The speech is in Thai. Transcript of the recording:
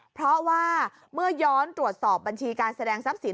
เพราะว่าเมื่อย้อนตรวจสอบบัญชีการแสดงทรัพย์สิน